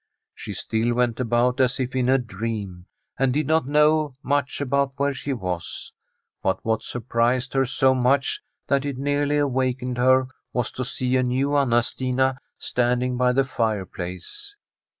She still went about as if in a dream, and did not know much about where she was ; but what sur prised her so much that it nearly awakened her was to see a new Anna Stina standing by the fire place.